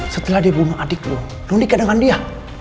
setelah dia bunuh adik lo lo nikah dengan dia